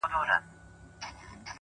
تاسي مجنونانو خو غم پرېښودی وه نورو ته.!